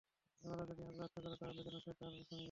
এবারও যদি অগ্রাহ্য করে, তাহলে যেন সে তার সঙ্গে লড়াই করে।